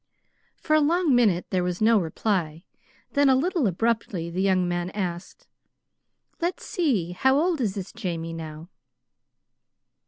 For a long minute there was no reply; then, a little abruptly, the young man asked: "Let's see, how old is this Jamie now?"